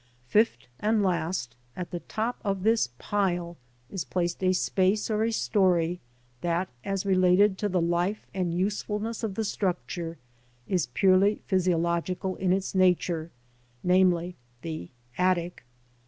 5th and last, at the top of this pile is placed a space or a story that, as related to the life and useful ness of the structure, is purely physiological in its nature, ŌĆö namely, the attic.